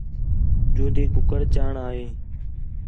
جوندی کُکڑ چاݨ آ ہیں